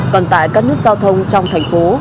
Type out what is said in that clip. toàn tại các nút giao thông trong thành phố